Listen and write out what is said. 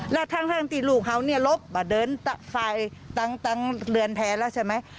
แล้วทั้งทีลูกเรายี่ลบเดินฝ่ายตั้งเลยแล็วใช่ไหม